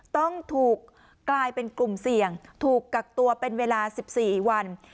ต้องถูกกลายเป็นกลุ่มเสี่ยงถูกกักตัวเป็นเวลา๑๔วัน